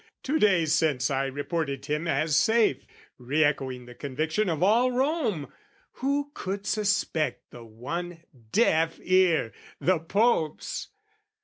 "Two days since, I reported him as safe, "Re echoing the conviction of all Rome: "Who could suspect the one deaf ear the Pope's?